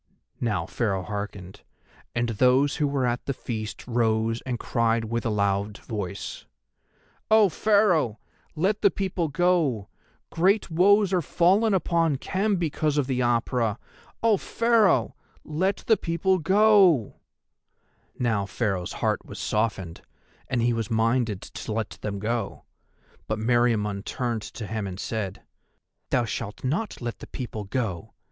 Now Pharaoh hearkened, and those who were at the feast rose and cried with a loud voice: "O Pharaoh, let the people go! Great woes are fallen upon Khem because of the Apura. O Pharaoh, let the people go!" Now Pharaoh's heart was softened and he was minded to let them go, but Meriamun turned to him and said: "Thou shalt not let the people go.